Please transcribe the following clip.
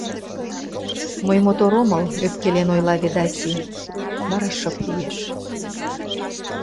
Мый мотор омыл, — ӧпкелен ойла Ведаси, вара шып лиеш.